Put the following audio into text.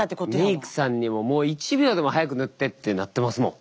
メークさんにももう一秒でも早く塗ってってなってますもん。